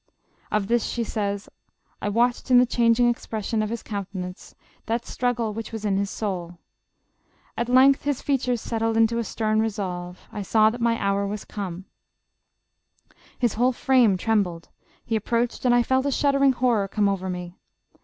Of this she says, "I watched in the chang ing expression of his countenance, that struggle which was in his soul. At length his features settled into a stern resolve. I saw that my hour was come. His 258 JOSEPHINE. whole frame trembled; he approached and I felt a shuddering horror come over me.